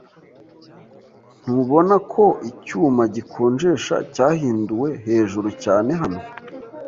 Ntubona ko icyuma gikonjesha cyahinduwe hejuru cyane hano?